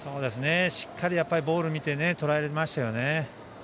しっかりボールを見てとらえましたよね。